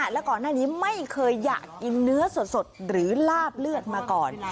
และก่อนหน้านี้ไม่เคยอยากกินเนื้อสดหรือลาบเลือดมาก่อน